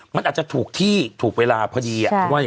มันอาจจะถูกที่ถูกเวลาพอดี